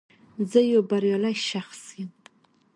زه یو بریالی شخص یم